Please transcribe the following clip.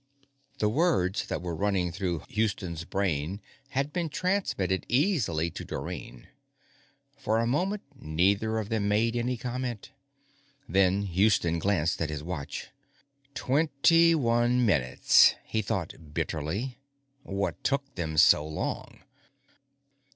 The words that were running through Houston's brain, had been transmitted easily to Dorrine. For a moment, neither of them made any comment. Then Houston glanced at his watch. Twenty one minutes, he thought bitterly. _What took them so long?